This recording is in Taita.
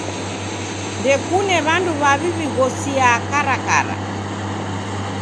Ndekune w'andu w'aw'i w'ighosiaa karakara.